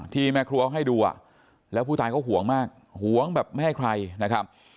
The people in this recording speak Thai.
ที่แม่ครัวให้ดูแล้วผู้ตายเขาห่วงมากห่วงแบบไม่ให้ใครนะครับ